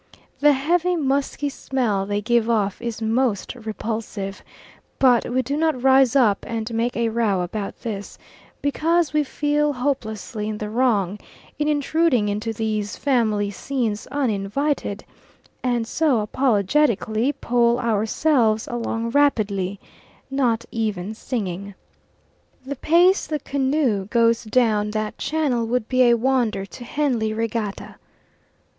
The heavy musky smell they give off is most repulsive, but we do not rise up and make a row about this, because we feel hopelessly in the wrong in intruding into these family scenes uninvited, and so apologetically pole ourselves along rapidly, not even singing. The pace the canoe goes down that channel would be a wonder to Henley Regatta.